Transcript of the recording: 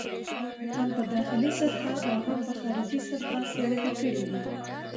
هم په داخلي سطحه او هم په خارجي سطحه څېړنه کړې دي.